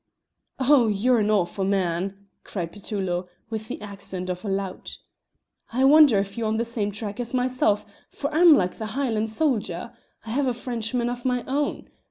"Oh! You're an awfu' man," cried Petullo, with the accent of a lout. "I wonder if you're on the same track as myself, for I'm like the Hielan' soldier I have a Frenchman of my own.